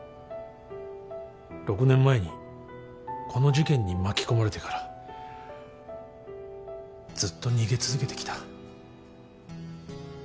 ６年前にこの事件に巻き込まれてからずっと逃げ続けてきた。